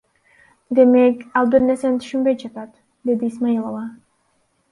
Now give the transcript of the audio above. Демек, ал бир нерсени түшүнбөй жатат, — деди Исмаилова.